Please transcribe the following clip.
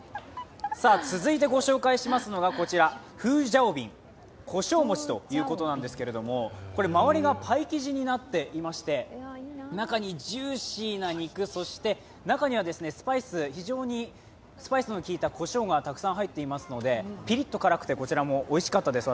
続いてご紹介しますのが、フージャオビン、こしょう餅ということなんですけど周りがパイ生地になっていまして、中にジューシーな肉、そして中には非常にスパイスのきいたこしょうがたくさん入っていますので、ピリッと辛くて、おいしかったです